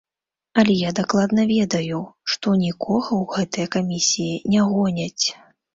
Але я дакладна ведаю, што нікога ў гэтыя камісіі не гоняць.